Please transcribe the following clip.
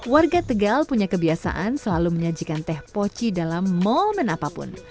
warga tegal punya kebiasaan selalu menyajikan teh poci dalam momen apapun